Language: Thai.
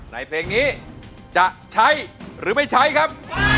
ในเพลงนี้จะใช้หรือไม่ใช้ครับ